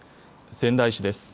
仙台市です。